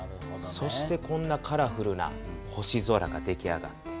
そしてこんなカラフルな星空ができあがって。